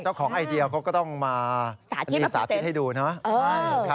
เจ้าของไอเดียเขาก็ต้องมามีสาธิตให้ดูเนาะ